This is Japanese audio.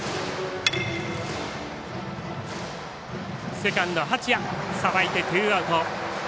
セカンド八谷さばいてツーアウト。